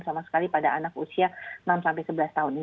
sama sekali pada anak usia enam sebelas tahun